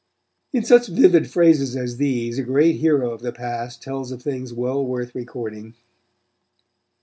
In such vivid phrases as these a great hero of the past tells of things well worth recording.